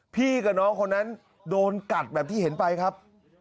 พี่กับน้องคนนั้นโดนกัดแบบที่เห็นไปครับ